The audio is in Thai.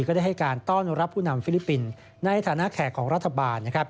ก็ได้ให้การต้อนรับผู้นำฟิลิปปินส์ในฐานะแขกของรัฐบาล